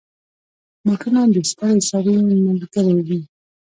بوټونه د ستړي سړي ملګری وي.